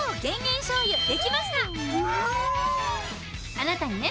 あなたにね